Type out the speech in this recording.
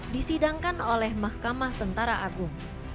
disidangkan oleh mahkamah tentara agung